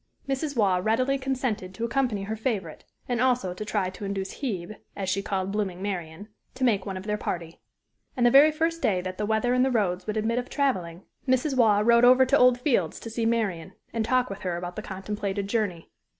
Mrs. Waugh readily consented to accompany her favorite, and also to try to induce "Hebe," as she called blooming Marian, to make one of their party. And the very first day that the weather and the roads would admit of traveling, Mrs. Waugh rode over to Old Fields to see Marian, and talk with her about the contemplated journey.